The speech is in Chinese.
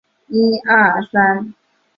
很可惜这条宪法只适用于新不伦瑞克。